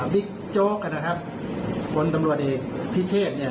โจ๊กนะครับคนตำรวจเอกพิเชษเนี่ย